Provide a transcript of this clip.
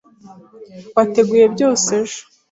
Wateguye byose ejo?